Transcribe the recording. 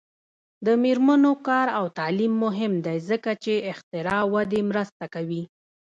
د میرمنو کار او تعلیم مهم دی ځکه چې اختراع ودې مرسته کوي.